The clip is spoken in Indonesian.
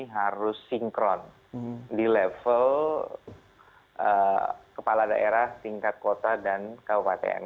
harus sinkron di level kepala daerah tingkat kota dan kabupaten